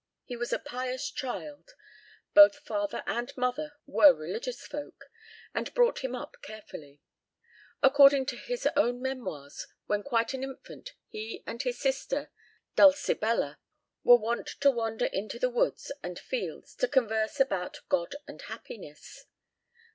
He was a pious child; both father and mother were religious folk, and brought him up carefully. According to his own memoirs, when quite an infant he and his sister Dulcibella were wont to wander into the woods and fields to converse about "God and happiness."